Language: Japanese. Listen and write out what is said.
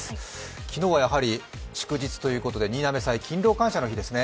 昨日は祝日ということで新嘗祭、勤労感謝の日ですね。